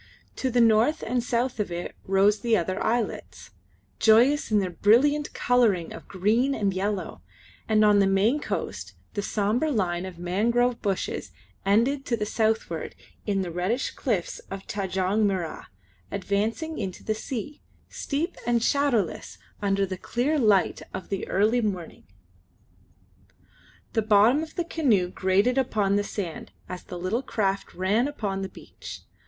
To the north and south of it rose other islets, joyous in their brilliant colouring of green and yellow, and on the main coast the sombre line of mangrove bushes ended to the southward in the reddish cliffs of Tanjong Mirrah, advancing into the sea, steep and shadowless under the clear, light of the early morning. The bottom of the canoe grated upon the sand as the little craft ran upon the beach.